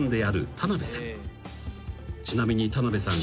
［ちなみに田辺さん。